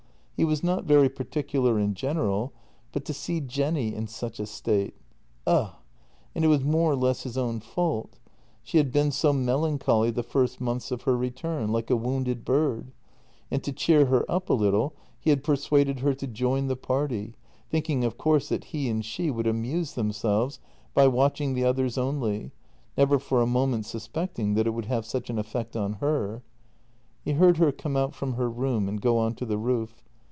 He was not very particular in general, but to see Jenny in such a state. Ugh! And it was more or less his own fault; she had been so melancholy the first months of her return — like a wounded bird — and to cheer her up a little he had persuaded her to join the party, thinking of course that he and she would amuse themselves by watching the others only, never for a moment suspecting that it would have such an effect on her. He heard her come out from her room and go on to the roof.